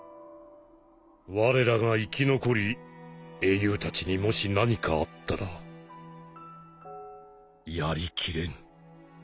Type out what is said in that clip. われらが生き残り英雄たちにもし何かあったらやりきれぬ。